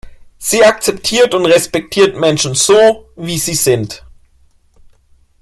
Sie akzeptiert und respektiert Menschen so, wie sie sind.